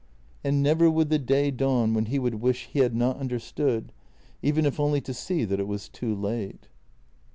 And never would the day dawn when he would wish he had not understood, even if only to see that it was too late.